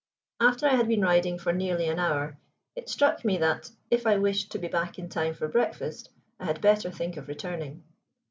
After I had been riding for nearly an hour it struck me that, if I wished to be back in time for breakfast, I had better think of returning.